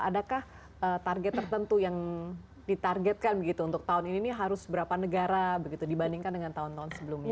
adakah target tertentu yang ditargetkan begitu untuk tahun ini harus berapa negara begitu dibandingkan dengan tahun tahun sebelumnya